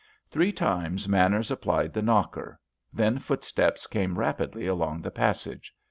Three times Manners applied the knocker; then footsteps came rapidly along the passage.